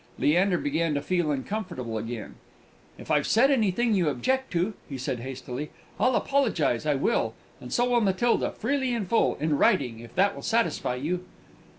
Leander began to feel uncomfortable again. "If I've said anything you object to," he said hastily, "I'll apologise. I will and so will Matilda freely and full; in writing, if that will satisfy you!"